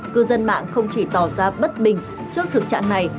cư dân mạng không chỉ tỏ ra bất bình trước thực trạng này